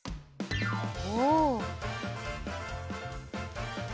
お。